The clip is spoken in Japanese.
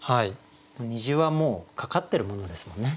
虹はもうかかってるものですもんね。